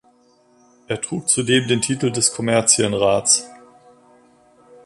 Er trug zudem den Titel des Kommerzienrats.